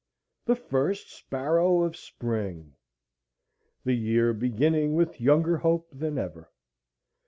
The first sparrow of spring! The year beginning with younger hope than ever!